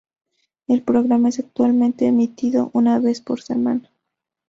El programa es actualmente emitido una vez por semana.